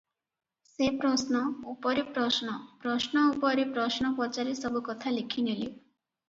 ସେ ପ୍ରଶ୍ନ ଉପରେ ପ୍ରଶ୍ନ- ପ୍ରଶ୍ନ ଉପରେ ପ୍ରଶ୍ନ ପଚାରି ସବୁକଥା ଲେଖି ନେଲେ ।